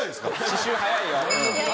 刺繍早いよ。